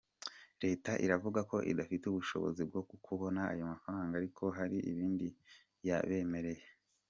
Leta iravuga ko idafite ubushobozi bwo kubona ayo mafaranga ariko hari ibindi yabemereye.